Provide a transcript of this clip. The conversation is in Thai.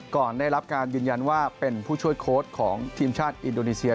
ก่อนได้รับการยืนยันว่าเป็นผู้ช่วยโค้ชของทีมชาติอินโดนีเซีย